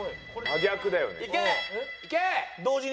「真逆だよね」